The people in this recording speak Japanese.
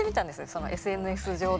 そのＳＮＳ上で。